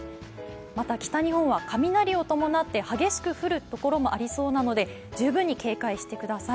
また北日本は雷を伴って激しく降るところもありそうなので十分に警戒してください。